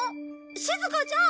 しずかちゃん！